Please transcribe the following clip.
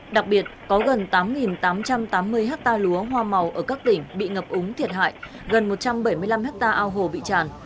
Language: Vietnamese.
đặc biệt có gần tám tám trăm tám mươi hectare lúa hoa màu ở các tỉnh bị ngập úng thiệt hại gần một trăm bảy mươi năm hectare ao hồ bị tràn